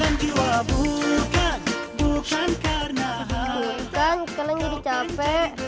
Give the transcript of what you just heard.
aika sekarang jadi capek